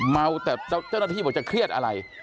เมาแต่เจ้าหน้าที่บอกจะเครียดอะไร